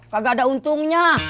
kagak ada untungnya